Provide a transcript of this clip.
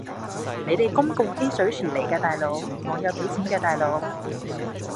你哋公共嬉水池嚟㗎大佬，我有俾錢㗎大佬